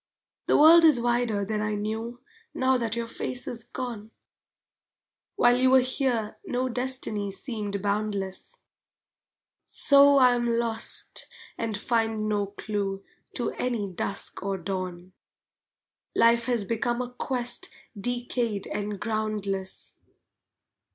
The world is wider than I knew Now that your face is gone! While you were here no destiny seemed boundless. So I am lost and find no clue To any dusk or dawn! Life has become a quest decayed and groundless.